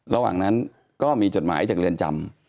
ระหว่างนั้นก็มีจดหมายจากเรือนจำ